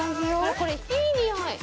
これいいにおい！